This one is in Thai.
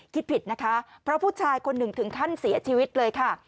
คิดผิดนะคะเพราะผู้ชายคนหนึ่งถึงขั้นเสียชีวิตเลยค่ะ